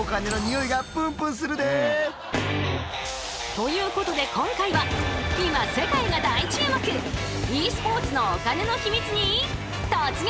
ということで今回は今世界が大注目ｅスポーツのお金のヒミツに突撃！